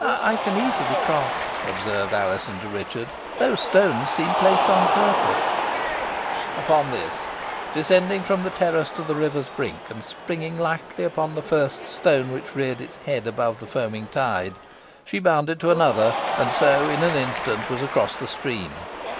"I can easily cross," observed Alizon to Richard. "Those stones seem placed on purpose." Upon this, descending from the terrace to the river's brink, and springing lightly upon the first stone which reared its head above the foaming tide, she bounded to another, and so in an instant was across the stream.